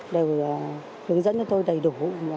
đều hướng dẫn cho tôi đầy đủ